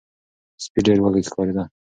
سپی ډیر وږی ښکاریده.